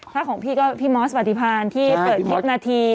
ถ้าของพี่ก็พี่มอสปฏิพันธ์ที่เปิดคลิปนาที